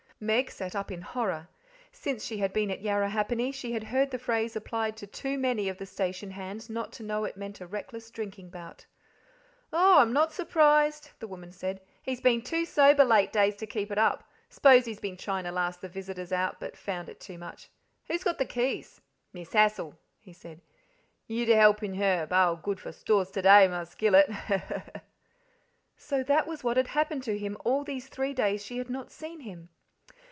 Meg sat up in horror. Since she had been at Yarrahappini she had heard the phrase applied to too many of the station hands: not to know that it meant a reckless drinking bout. "Lor'! I'M not surprised," the woman said, "he's been too sober late days to keep it up; s'pose he's been trying to last the visitors out, but found it too much. Who's got the keys?" "Mis' Hassal," he said, "you to helpin' her ba`al good for stores to day, Marse Gillet he, he, ha, ha!" So that was what had happened to him all these three days she had not seen him!